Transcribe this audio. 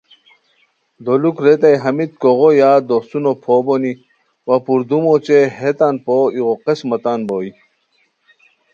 دولوک ریتائے ہمیت کوغو یا دوڅونو پو بونی وا پردوم اوچے ہیتان پو ایغو قسمہ تان بوئے